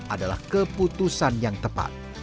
adalah keputusan yang tepat